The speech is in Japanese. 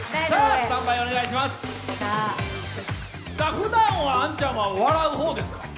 ふだんは杏ちゃんは笑う方ですか？